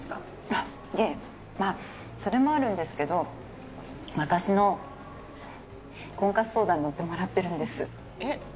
あっいえまあそれもあるんですけど私の婚活相談に乗ってもらってるんですえっ